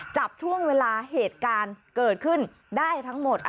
จับช่วงเวลาเหตุการณ์เกิดขึ้นได้ทั้งหมด